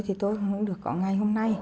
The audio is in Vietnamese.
thì tôi không được có ngày hôm nay